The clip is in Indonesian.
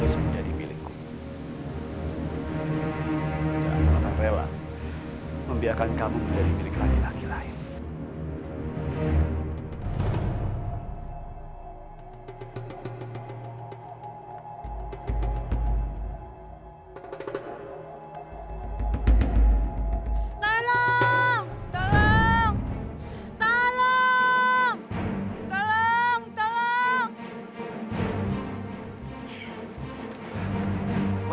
sampai jumpa di video selanjutnya